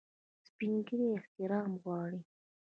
سپین ږیری احترام غواړي